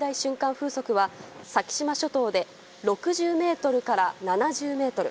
風速は先島諸島で６０メートルから７０メートル。